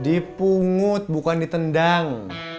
dipungut bukan ditendang